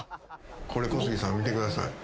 小杉さん見てください。